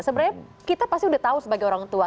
sebenarnya kita pasti udah tahu sebagai orang tua